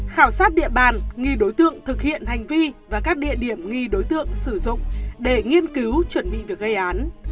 khảo sát địa bàn nghi đối tượng thực hiện hành vi và các địa điểm nghi đối tượng sử dụng để nghiên cứu chuẩn bị việc gây án